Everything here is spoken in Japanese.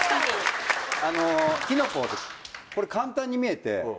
これ簡単に見えて。